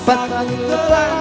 setelah tema kami